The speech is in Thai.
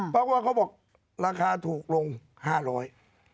เพราะว่าเขาบอกราคาถูกลงห้าร้อย